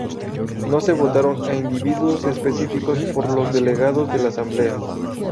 No se votaron a individuos específicos por los delegados de la asamblea.